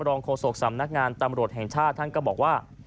โฆษกสำนักงานตำรวจแห่งชาติท่านก็บอกว่า